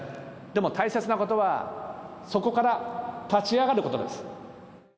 でも、大切なことは、そこから立ち上がることです。